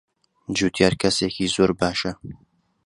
جوتیار کەسێکی زۆر باشە.